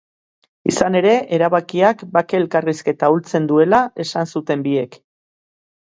Izan ere, erabakiak bake elkarrizketa ahultzen duela esan zuten biek.